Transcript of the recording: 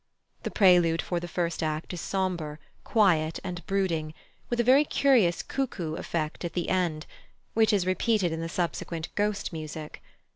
The prelude for the first act is sombre, quiet, and brooding, with a very curious cuckoo effect at the end, which is repeated in the subsequent Ghost music.